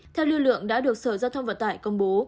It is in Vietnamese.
theo lưu lượng đã được sở giao thông vận tải công bố